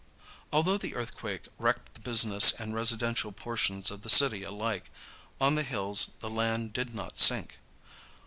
Although the earthquake wrecked the business and residential portions of the city alike, on the hills the land did not sink.